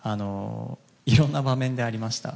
いろんな場面でありました。